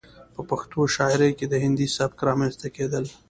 ،په پښتو شاعرۍ کې د هندي سبک رامنځته کېدل